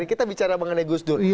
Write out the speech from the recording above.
kita bicara mengenai gusdur